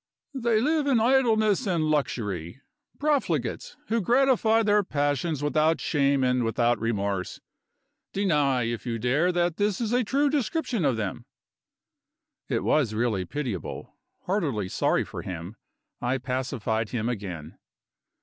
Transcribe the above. They live in idleness and luxury profligates who gratify their passions without shame and without remorse. Deny, if you dare, that this is a true description of them." It was really pitiable. Heartily sorry for him, I pacified him again.